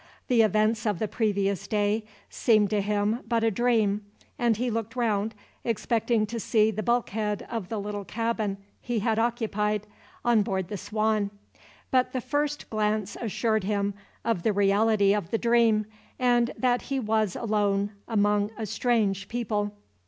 The events of the previous day seemed to him but a dream, and he looked round, expecting to see the bulkhead of the little cabin he had occupied, on board the Swan. But the first glance assured him of the reality of the dream, and that he was alone, among a strange people.